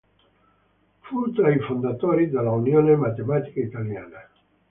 Fu tra i fondatori della Unione Matematica Italiana.